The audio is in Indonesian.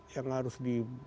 yang harus di